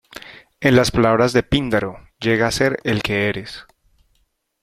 En las palabras de Píndaro: "llega a ser el que eres".